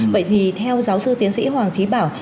vậy thì theo giáo sư tiến sĩ hoàng trí bảo